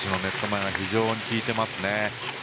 前が非常に効いていますね。